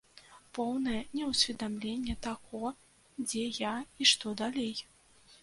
Поўнае неўсведамленне таго, дзе я і што далей.